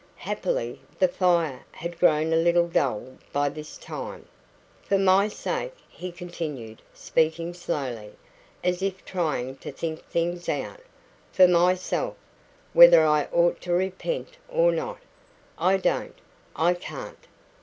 Happily, the fire had grown a little dull by this time. "For myself," he continued, speaking slowly, as if trying to think things out "for myself, whether I ought to repent or not, I don't I can't.